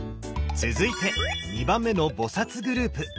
続いて２番目の「菩」グループ。